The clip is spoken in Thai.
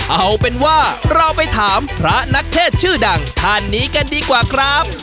เอาเป็นว่าเราไปถามพระนักเทศชื่อดังท่านนี้กันดีกว่าครับ